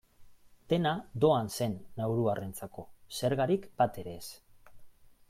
Dena doan zen nauruarrentzako, zergarik batere ez.